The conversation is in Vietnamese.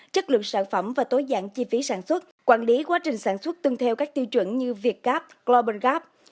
chất lượng sản phẩm và tối giản chi phí sản xuất quản lý quá trình sản xuất tương theo các tiêu chuẩn như vietgap globalgap